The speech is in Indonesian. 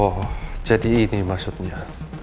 oh cti nih maksudnya